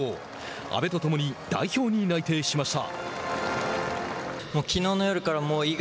安部とともに代表に内定しました。